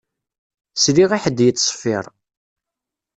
Sliɣ i ḥedd yettṣeffiṛ